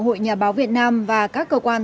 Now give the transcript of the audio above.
hội nhà báo việt nam và các cơ quan